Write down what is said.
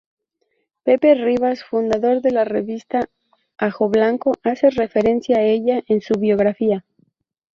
Pepe Rivas, fundador de la revista Ajoblanco, hace referencia a ella en su biografía.